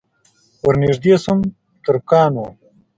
ور نږدې شوم ترکان وو.